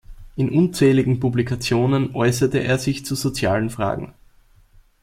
In unzähligen Publikationen äusserte er sich zu sozialen Fragen.